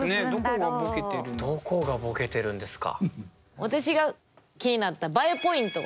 どこがボケてるんですか？